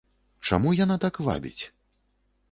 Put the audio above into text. Чаму яна так вабіць?